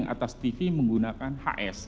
atas tv menggunakan hs